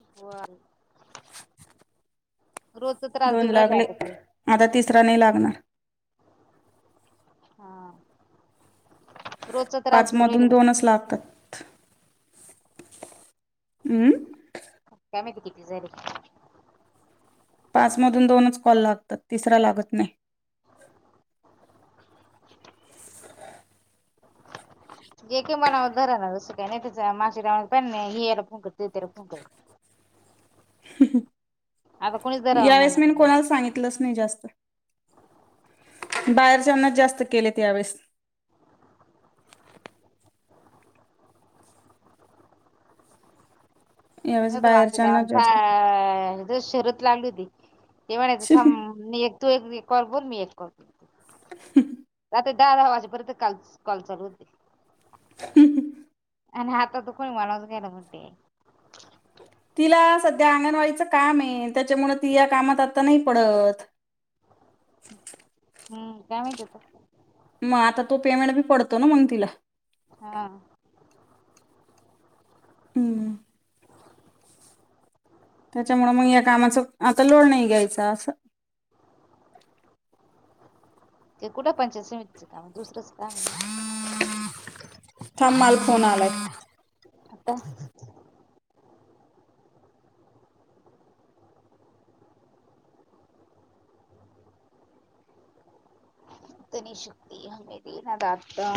[unintelligible] रोज तर त्रास दोन देऊन राहिले लागले आता तो. आता तिसरा नाही लागणार हा, रोजचा त्रास देउ राहीले [unintelligible] लागतात. हम्म काय माहिती, किती झाले? पाच मधून दोनच कॉल लागतात, तिसरा लागत नाही. [unintelligible] [inaudible] आता कोणीच धरावं यावेळेस म्हणा मी कोणाला सांगितलंच नाही जास्त. बाहेरच्याना जास्त केले या वेळेस. यावेळेस बाहेरच्यांनाच जास्त [unintelligible] [inaudible] ते म्हणायचे केले. थांब मी एक तू एक कॉल कर मी एक कॉल करतो. [unintelligible] ते दहा- दहा वाजेपर्यंत काल कॉल चालू होते. [unintelligible] [inaudible] आणि आता तू कोणी [unintelligible] तिला सध्या अंगणवाडीचं काम ये, त्याच्यामुळ ती या कामात आता नाही पडत. हम्म, काय माहीत आता? मग आता तो पेमेंट बी पडतो ना मग तिला. हा. हमं त्याच्यामुळें मग या कामाचं, आता लोड नाही घ्यायचा असं ते कुठ पंचायत समितीचं काम, दुसरंच काम आहे थांब माल फोन आलाय. आता ईतनी शक्ती हमे दे ना दाता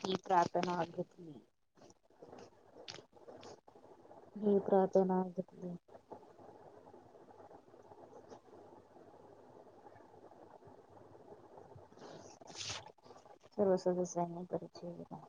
ही प्रार्थना आठवत नाही. ही प्रार्थना [unintelligible] सर्व सदस्यांनी परिचय दिला.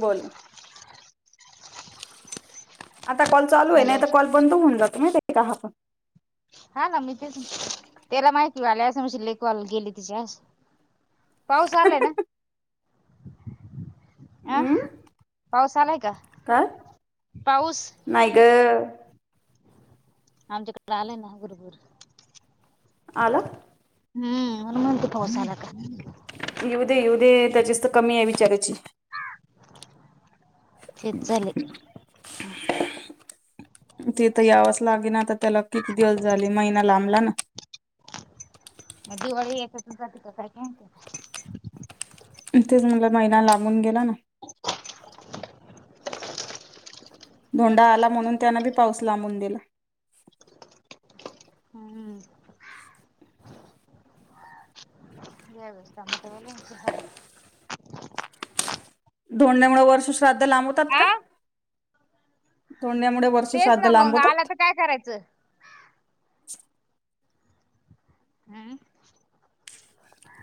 बोला आता कॉल चालू आहे, हॅलो नाही तर कॉल बंद होऊन जातो, माहिती आहे का हा पण. हा ना, मी तेच, त्याला माहिती वाले असं म्हण लेक गेले तिच्या पाऊस आलाय ना? अ, हम्म पाऊस आलाय का? काय पाऊस नाही गं आमच्याकडे आलंय ना भूर-भूर. आला? हम्म, म्हणुन म्हनते पाऊस आला का? येऊद-येऊद त्याचीच तर कमी आहे, बीच्याऱ्याची. [unintelligible] तेच चाले [inaudible] [inaudible] तिथं यावच लागेल ना आता, त्याला किती दिवस झाले महिना लांबला ना? मग दिवाळी यातच [unintelligible] तेच म्हणल, महिना लांबून गेला ना? धोंडा आला, म्हणून त्यान बी पाऊस लांबून दिला. हम्म या वेळेस सांगतो म्हणे धोंडण्यामुळे वर्षश्राद्ध लांबवतात का? आ धोंड्यामुळे वर्ष तेच श्राद्ध ना मग आला लांबवतात तर काय करायचं हम्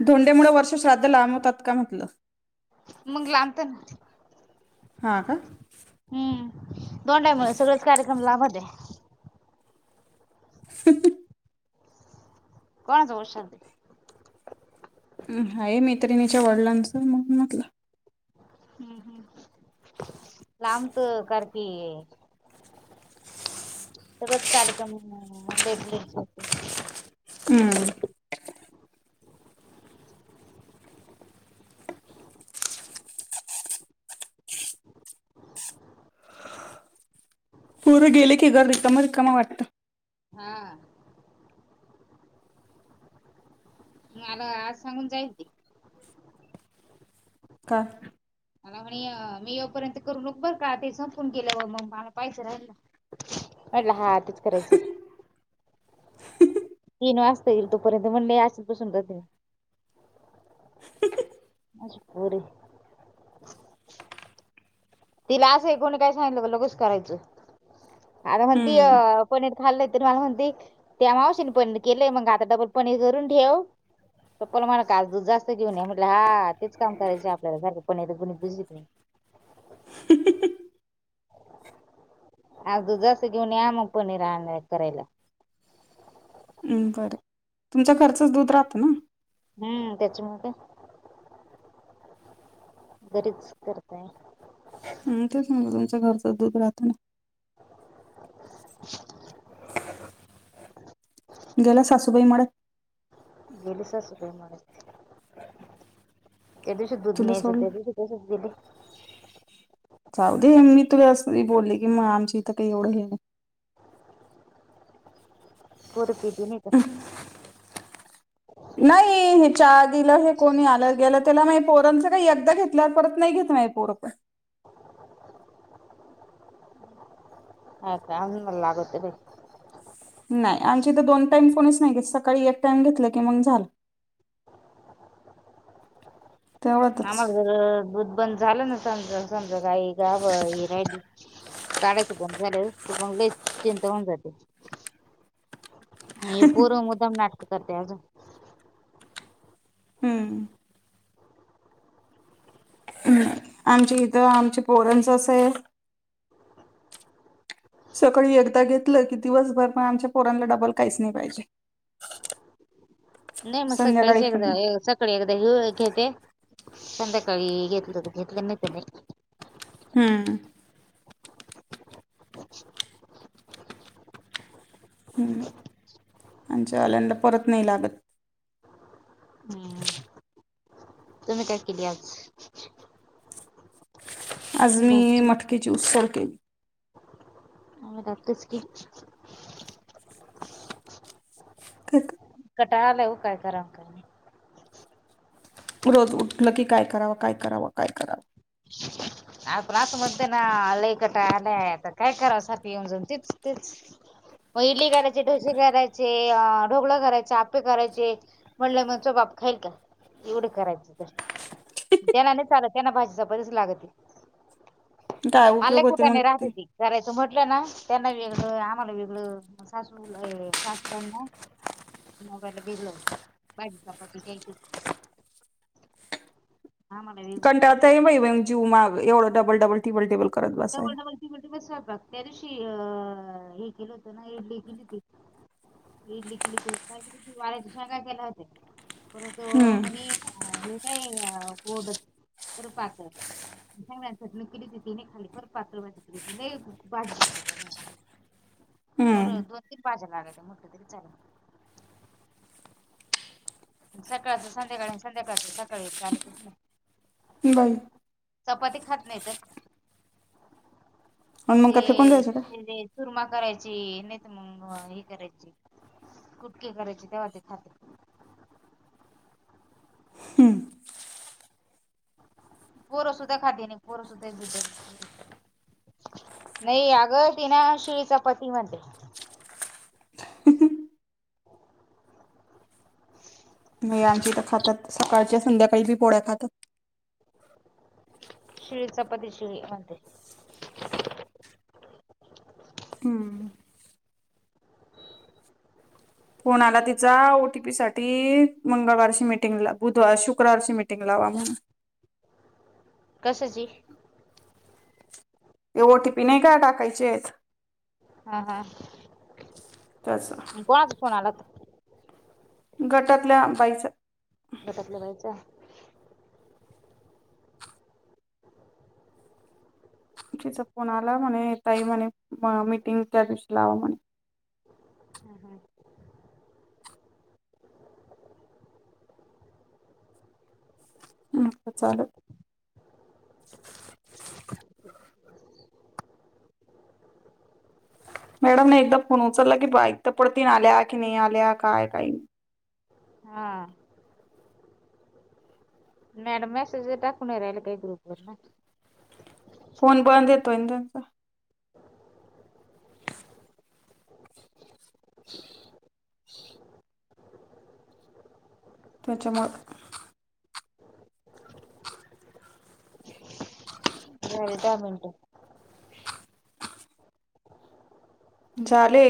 धोंडे्यामुळे वर्ष श्राद्ध लांबवतात का म्हटलं मग लांबत ना हां का हम्म दोंड आहे मुळे सगळंच कार्यक्रम लाभतं आहे हम् हं कोणाचं वर्ष श्राध्द आहे हाय मैत्रिणीच्या वडिलांचं म्हणून म्हटलं हम्म हम्म लांबक करतेय सगळेच कार्यक्रम भेटले होते हमं पोरं गेले की घर रिकाम रिकाम वाटतं हा म मला आज सांगून जाईल ते का? मला म्हणे मी योपर्यंत करू नक बरं का आ ते संपून गेलं व मग मला पाहिजे राहिलं पडला हात तेच करायचं [unintelligible] वाजता येई तोपर्यंत मं असच बसून मजबुरी तिला असं आहे कोणी काय सांगलं लगीच करायचं आर म्हती अ हम्म पनीर खायले तिन मा म्हती त्या मावशी पनीर केलंय मग आता डबल पनीर करून ठेव पप्पाला म्हणल का आज दूध जास्त घेऊन या म्हटलं हा तेच काम करायच आपल्याला सारखे पनीर बनून भिजत नाही आज दुधाच घेऊन या मग पनीर आणा करायला हम् बरं तुमचं घरचच दूध राहतं ना हम्म त्याचमुळे का घरीच करताय हम तेच मग तुमचं घरचं दूध राहतं ना [unintelligible] गेला सासूबाई मुळे गेली सासूबाई मगाशी त्या दिवशी दूध तुला न्यायचं सोडलं त्या दिवशी तसेच दिली जाऊदे म मी तू असस बोली की आमच्या इथं कही एव्हडं हे नाही [inaudible] [unintelligible] नाही हे चहा दिलं हे कोणी आलं गेलं त्याला पोरांचं काही एकदा घेतल्या परत नाही घेत मा पोरं पण [inaudible] आ का आजून मका लागतो बाई नाही आमची तर दोन टाईम कोणीच नाही घेत सकाळी एक टाइम घेतलं की म्हणून झालं. ह तेवढ्यातच मग दुधबंद झालं ना समज समजा काही गाब राहिली काढायचं बंद झालं बगलं आहेत. त्यांचं होऊन जातं, ही पोर मुद्दाम नाटकी करत्या का. हम्म आमचे इथं आमचे पोरणचं असं आहे. सकाळी एकदा घेतलं की दिवसभर पण आमच्या, पोरांला डबल काहीच नाही पाहिजे. नाही म सकाळीच संध्याकाळी पण नाही एकदाले. सकाळी एकदा घेते संध्याकाळी, घेतलंतर घेतलं नाही तर नाही. हम्म. [unintelligible] आच्या आल्यांत परत नाही लागत. हम्म तुम्ही काय केली आज आज मी मटकेची उसर केली. आ्ही ाकतेच की [unintelligible] कटाळा आलाय ओ काय करावं अनं कायं. रोज उठलं की काय करावं काय, करावं काय करावं. आपण आसं म्हणतो ना लई कटाळा, आला आता काय कराव, सारखं येऊन जाऊन तेच तेच. मग इडली करायचे ढोसे करायचे, ढोगळा करायचा आपे करायचे. म्हणलं [unintelligible] बाप खाईल का एवढं करायचं त त्यांना नाही चालत त्यांना भाजी चपातीच लागते. काय मला लई उपयोग होते मग कुटाने राहतात ते ती करायचं म्हटलं, ना त्यांना वेगळं आम्हाला वेगळं. सासू ए सासऱ्यानं ना. मुंबईला गेलो होतो पाय चपाती केली होती. कंटा आता बा जीू माग, एवढं double double table table. Double double त म्ह म स्वयग त्या दिवशी अं हे केलं, होतं ना इडली गली त. इडली केलीली वाढ्याची, शांगा केला होते परत हम्म म्हणे. [unintelligible] गोडच तर पाक [unintelligible] दोन दोन हम्म तीन पाज्या लागत मोठ तरी चाल. सकाळच संध्याकाळी आणि संध्याकाळच सकाळी, चालतच नाही. बई चपाती खात नाही तर हम मांग काय फेकून ते द्याच का. तिथे ते चुरमा करायची नाही त मग हे करायची कुटके करायची तेव्हा ते खात. पोरसध खादी्य नाही, पोरसध भिट नाही अगं ति ना शिळीचा पती म्हणते. मी आमच्या इथं खातात सकाळच्या, संध्याकाळी बी पोळ्या खातात. शिळी चपाती शिळी म्हणते. हम. फोन आला तिचा ओ टी पी साठी मंगळवारची, मिटिंग ला बुधवार, शुक्रवारची मिटिंग लावा म्हणून. कसची. हे ओ टी पी नाही काय टाकायचेतं. हा हा. त्याच. [unintelligible] कोण आला. गटातल्या बाईचा. गटातल्या बाईचा. तिचा फोन आला म्हणे ताई म्हणे मीटिंग त्या दिवशी लावाला. हम्म चाल मॅडमने एकदा फोन उचलला की बा इ तर पडतीन आल्या की नाही आल्या काय बाई. हा. मॅडम मैसेज टाकून राहिले काही ग्रुपवर ना. फोन बंद येतोय [inaudible] त्याच्यामुळं [inaudible] झालीत दहा मिनट. झाले.